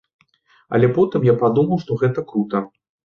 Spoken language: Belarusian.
Але потым я падумаў, што гэта крута.